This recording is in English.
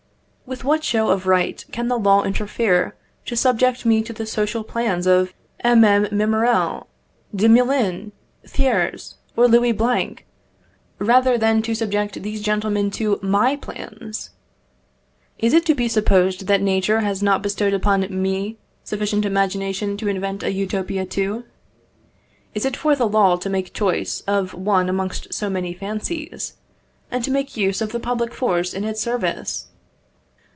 With what show of right can the law interfere to subject me to the social plans of MM. Mimerel, de Melun, Thiers, or Louis Blanc, rather than to subject these gentlemen to my plans? Is it to be supposed that Nature has not bestowed upon ME sufficient imagination to invent a Utopia too? Is it for the law to make choice of one amongst so many fancies, and to make use of the public force in its service?